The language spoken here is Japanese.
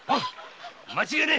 間違えねえ！